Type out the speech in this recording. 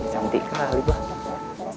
cantik kali mbak